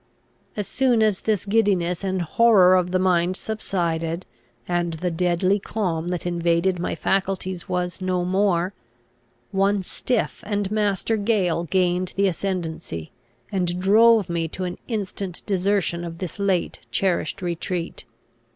As soon as this giddiness and horror of the mind subsided, and the deadly calm that invaded my faculties was no more, one stiff and master gale gained the ascendancy, and drove me to an instant desertion of this late cherished retreat.